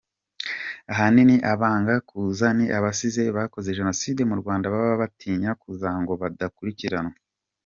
Ahanini abanga kuza ni abasize bakoze Jenoside mu Rwanda baba batinya kuza ngo badakurikiranwa”.